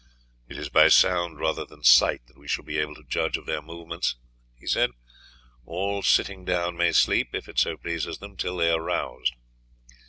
"It is by sound rather than sight that we shall be able to judge of their movements," he said. "All sitting down may sleep, if it so pleases them, till they are roused."